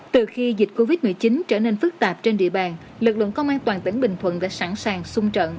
từ khi dịch covid một mươi chín trở nên phức tạp trên địa bàn lực lượng công an toàn tỉnh bình thuận đã sẵn sàng sung trận